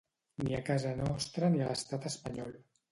Ni a casa nostra, ni a l'Estat espanyol.